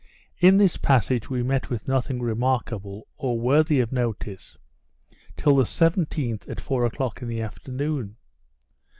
In this passage we met with nothing remarkable, or worthy of notice, till the 17th at four o'clock in the afternoon.